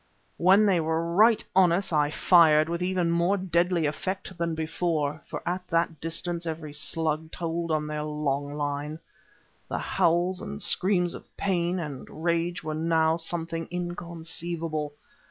When they were right on us, I fired, with even more deadly effect than before, for at that distance every slug told on their long line. The howls and screams of pain and rage were now something inconceivable.